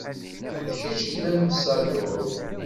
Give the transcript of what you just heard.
D kečč ay d amsadur.